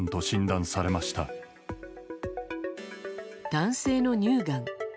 男性の乳がん。